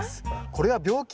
「これは病気？